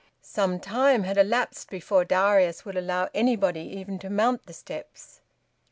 Some time had elapsed before Darius would allow anybody even to mount the steps.